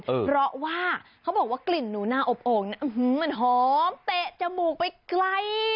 เพราะว่าเขาบอกว่ากลิ่นหนูหน้าอบโอ่งมันหอมเตะจมูกไปไกล